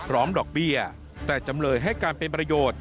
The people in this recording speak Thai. ดอกเบี้ยแต่จำเลยให้การเป็นประโยชน์